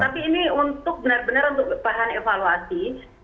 tapi ini untuk benar benar untuk bahan evaluasi